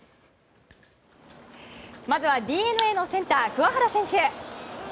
まずはＤｅＮＡのセンター桑原選手。